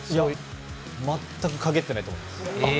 全く、かげってないと。